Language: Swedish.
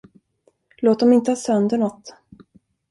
Låt dem inte ha sönder nåt.